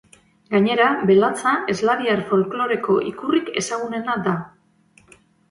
Gainera, belatza, eslaviar folkloreko ikurrik ezagunena da.